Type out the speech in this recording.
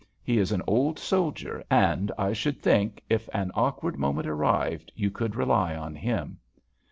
He is an old soldier, and I should think, if an awkward moment arrived, you could rely on him."